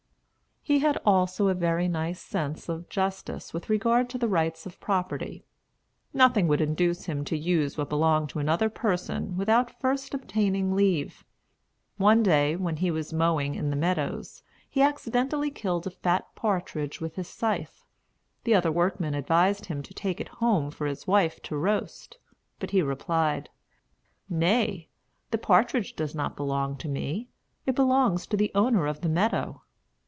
He had also a very nice sense of justice with regard to the rights of property. Nothing would induce him to use what belonged to another person without first obtaining leave. One day, when he was mowing in the meadows, he accidentally killed a fat partridge with his scythe. The other workmen advised him to take it home for his wife to roast. But he replied, "Nay, the partridge does not belong to me, it belongs to the owner of the meadow."